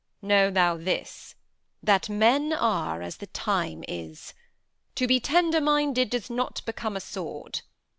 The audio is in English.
Know thou this, that men Are as the time is. To be tender minded Does not become a sword.